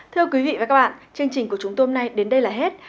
thưa quý vị và các bạn chương trình của chúng tôi hôm nay đến đây là hết